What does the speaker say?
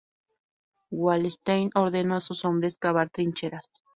Wallenstein ordenó a sus hombres cavar trincheras.